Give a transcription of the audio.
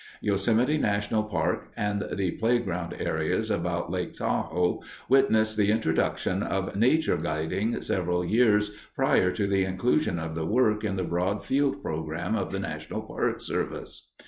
Yosemite National Park and the playground areas about Lake Tahoe witnessed the introduction of "nature guiding" several years prior to the inclusion of the work in the broad field program of the National Park Service.